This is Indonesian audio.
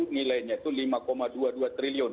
nilainya itu lima dua puluh dua triliun